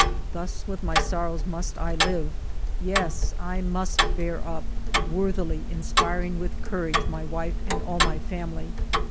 Thus with my sorrows must I live ! Yes, I must bear up, worthily inspiring with courage my wife and all my family.